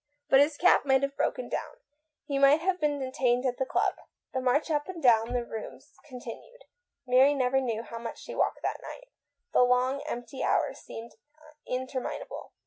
But his cab might have broken down ; he might have been detained at the club. The march up and down the room continued. Mary never knew how much she walked that night. The long, empty hours seemed interminable.